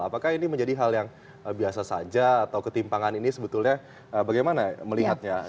apakah ini menjadi hal yang biasa saja atau ketimpangan ini sebetulnya bagaimana melihatnya